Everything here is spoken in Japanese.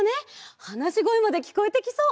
はなしごえまできこえてきそう！